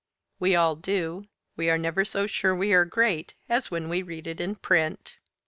We all do. We are never so sure we are great as when we read it in print.